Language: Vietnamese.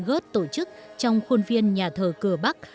gớt tổ chức trong khuôn viên nhà thờ cửa bắc